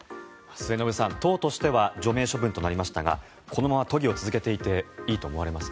末延さん、党としては除名処分となりましたがこのまま都議を続けていていいと思われますか？